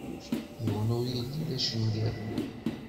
Yiwen ur yelli d acangal.